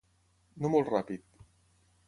No molt ràpid.